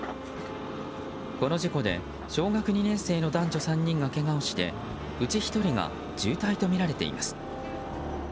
この事故で、小学２年生の男女３人がけがをしてうち１人が重体とみられています。